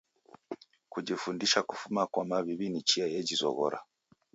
Kujifundisha kufuma kwa maw'iw'i, ni chia yejizoghora.